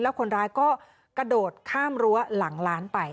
คนร้ายก็กระโดดข้ามรั้วหลังร้านไป